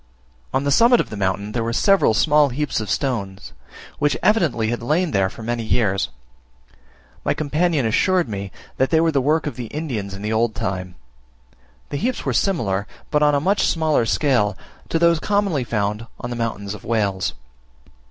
On the summit of the mountain there were several small heaps of stones, which evidently had lain there for many years. My companion assured me that they were the work of the Indians in the old time. The heaps were similar, but on a much smaller scale, to those so commonly found on the mountains of Wales.